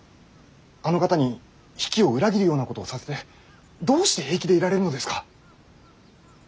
あの方に比企を裏切るようなことをさせてどうして平気でいられるのですか。